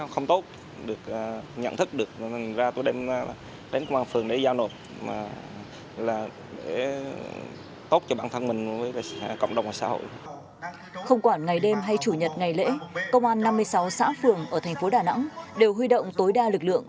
không quản ngày đêm hay chủ nhật ngày lễ công an năm mươi sáu xã phường ở thành phố đà nẵng đều huy động tối đa lực lượng